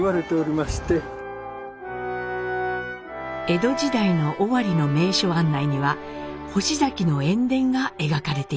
江戸時代の尾張の名所案内には「星崎の塩田」が描かれています。